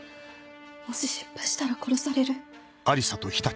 もし失敗したら殺される。